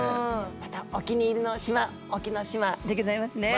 またお気に入りの島隠岐の島でギョざいますね。